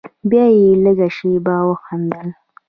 بيا يې لږه شېبه وخندل.